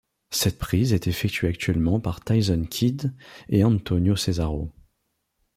Cette prise est effectuée actuellement par Tyson Kidd et Antonio Cesaro.